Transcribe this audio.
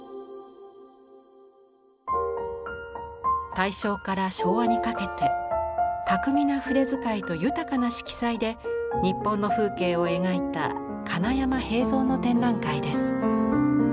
大正から昭和にかけて巧みな筆遣いと豊かな色彩で日本の風景を描いた金山平三の展覧会です。